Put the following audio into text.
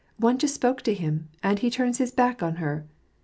one just spoke to him, and he turns his back on her!